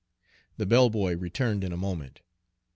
The bell boy returned in a moment.